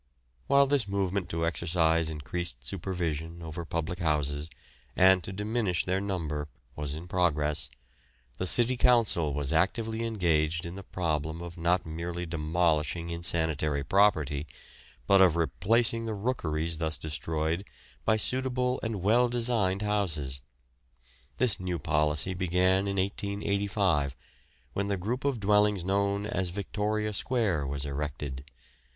While this movement to exercise increased supervision over public houses and to diminish their number was in progress, the City Council was actively engaged in the problem of not merely demolishing insanitary property, but of replacing the rookeries thus destroyed by suitable and well designed houses. This new policy began in 1885, when the group of dwellings known as Victoria Square was erected.